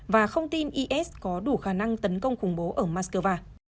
và không tin is có đủ khả năng tấn công khủng bố ở moscow